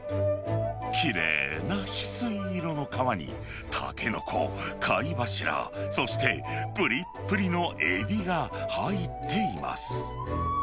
きれいなひすい色の皮に、たけのこ、貝柱、そしてぷりっぷりのエビが入っています。